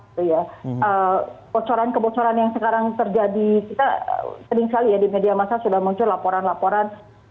kebocoran kebocoran yang sekarang terjadi kita sering sekali ya di media masa sudah muncul laporan laporan